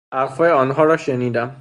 حرفهای آنها را شنیدم.